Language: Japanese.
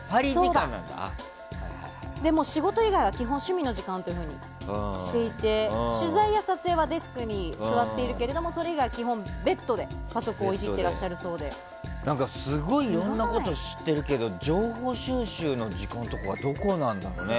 仕事以外は基本、趣味の時間としていて取材や撮影はデスクに座っているけどもそれ以外は基本ベッドでパソコンをすごいいろんなことを知っているけど情報収集の時間とかはどこなんだろうね。